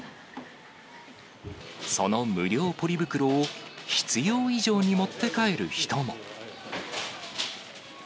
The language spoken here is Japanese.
その無料ポリ袋を必要以上に持って帰る人も。